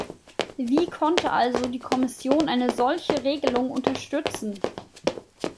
Wie konnte also die Kommission eine solche Regelung unterstützen?